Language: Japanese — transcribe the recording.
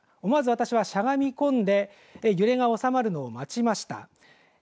思わず私はしゃがみ込んで揺れが収まるのを待ちました。